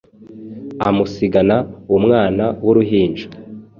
amusigana umwana w’uruhinja